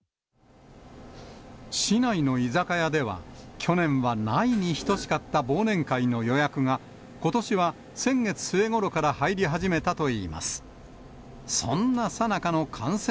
市内の居酒屋では、去年はないに等しかった忘年会の予約が、ことしは先月末ごろから入り始めたといいます。